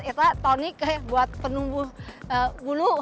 itu tonik ya buat penumbuh bulu